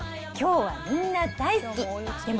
きょうは、みんな大好き！